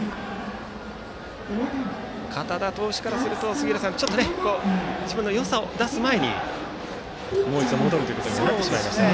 堅田投手からするとちょっと自分のよさを出す前にもう一度、戻ることになってしまいました。